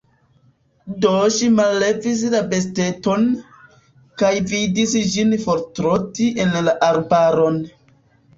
Do ŝi mallevis la besteton, kaj vidis ĝin fortroti en la arbaron.